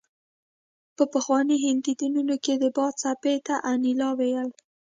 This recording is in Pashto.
په پخواني هندي دینونو کې د باد څپې ته انیلا ویل